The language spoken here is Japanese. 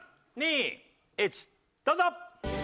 ３２１どうぞ！